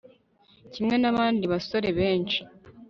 kimwe nabandi basore benshi